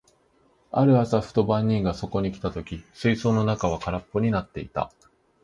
ある朝、ふと番人がそこに来た時、水槽の中は空っぽになっていた。